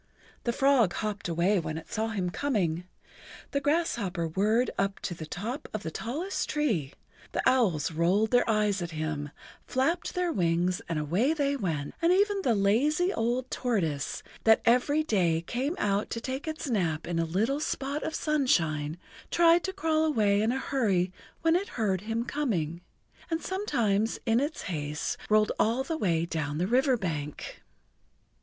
The frog hopped away when it saw him coming, the grasshopper whirred up to the top of the tallest tree, the owls rolled their eyes at him, flapped their wings and away they went, and even the lazy old tortoise, that every day came out to take its nap in a little spot of sunshine, tried to crawl away in a hurry when it heard him coming, and sometimes in its haste rolled all the way down the river bank.